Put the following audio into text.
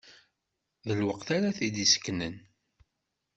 D lwaqt ara t-id-iseknen.